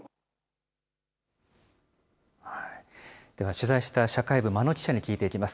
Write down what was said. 取材した社会部、間野記者に聞いていきます。